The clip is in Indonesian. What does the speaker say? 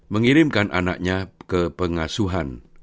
mengirimkan anaknya ke pengasuhan